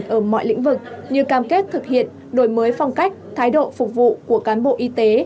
ở mọi lĩnh vực như cam kết thực hiện đổi mới phong cách thái độ phục vụ của cán bộ y tế